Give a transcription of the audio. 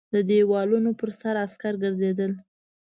د دېوالونو پر سر عسکر ګرځېدل.